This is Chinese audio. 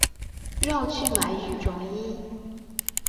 绕去买羽绒衣